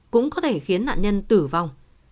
cũng có thể khiến nạn nhân tử vong